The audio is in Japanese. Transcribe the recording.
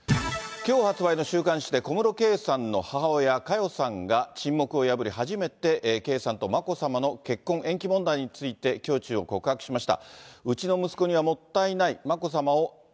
きょう発売の週刊誌で、小室圭さんの母親、佳代さんが沈黙を破り、小室圭さんと眞子さんの結婚延期問題について胸中を告白しました。